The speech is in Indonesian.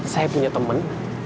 saya punya teman